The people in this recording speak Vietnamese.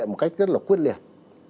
một cách rất là quyết liệt